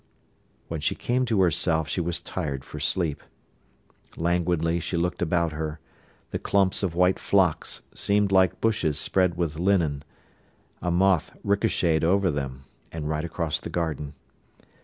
When she came to herself she was tired for sleep. Languidly she looked about her; the clumps of white phlox seemed like bushes spread with linen; a moth ricochetted over them, and right across the garden.